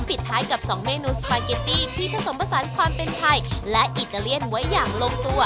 ปิดท้ายกับ๒เมนูสปาเกตตี้ที่ผสมผสานความเป็นไทยและอิตาเลียนไว้อย่างลงตัว